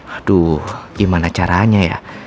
aduh gimana caranya ya